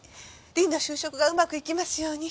りんの就職がうまくいきますように。